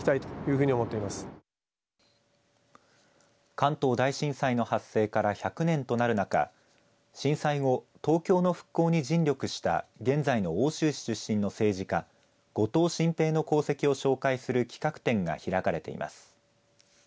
関東大震災の発生から１００年となる中震災後、東京の復興に尽力した現在の奥州市出身の政治家後藤新平の功績を紹介する企画展が開かれています。